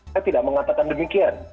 saya tidak mengatakan demikian